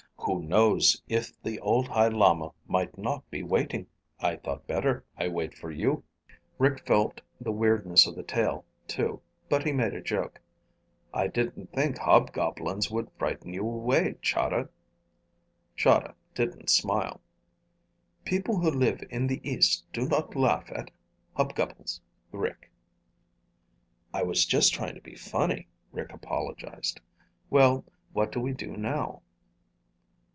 "Who knows if the old High Lama might not be waiting? I thought better I wait for you." Rick felt the weirdness of the tale, too, but he made a joke. "I didn't think hobgoblins would frighten you away, Chahda." Chahda didn't smile. "People who live in the East do not laugh at hub gubbles, Rick." "I was just trying to be funny," Rick apologized. "Well, what do we do now?"